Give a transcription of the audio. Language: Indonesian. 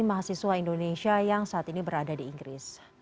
mahasiswa indonesia yang saat ini berada di inggris